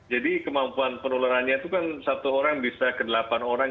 jadi kemampuan penularannya itu kan satu orang bisa ke delapan orang